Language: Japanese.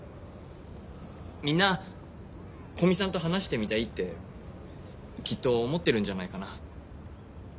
みんな古見さんと話してみたいってきっと思ってるんじゃないかな。